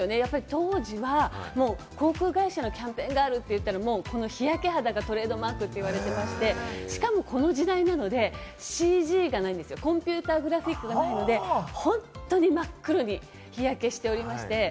当時は航空会社のキャンペーンガールといったら、日焼け肌がトレードマークと言われていまして、しかもこの時代なので、ＣＧがないんですよ、コンピューターグラフィックがないので、本当に真っ黒に日焼けしておりまして。